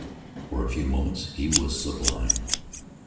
For a few moments he was sublime.